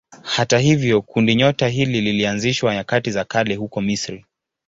Hata hivyo kundinyota hili lilianzishwa nyakati za kale huko Misri.